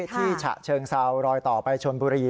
ฉะเชิงเซารอยต่อไปชนบุรี